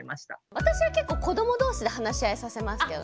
私は結構子ども同士で話し合いさせますけどね。